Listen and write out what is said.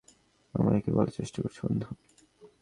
আমায় কী বলার চেষ্টা করছো, বন্ধু?